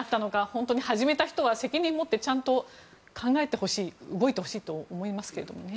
本当に始めた人は、責任を持ってちゃんと考えてほしい動いてほしいと思いますけどね。